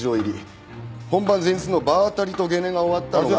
本番前日の場当たりとゲネが終わったのが。